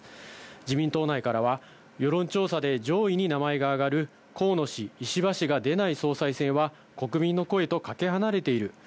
自民党内からは、世論調査で上位に名前が挙がる河野氏、石破氏が出ない総裁選は、国民の声とかけ離れている。